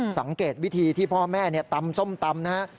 สังเกตวิธีที่พ่อแม่ตำส้มตำนะฮะ